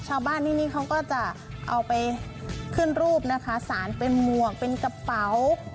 ชาวบ้านที่นี่เขาก็จะเอาไปขึ้นรูปนะคะสารเป็นหมวกเป็นกระเป๋า